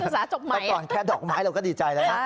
แต่ก่อนแค่ดอกไม้เราก็ดีใจแล้วนะ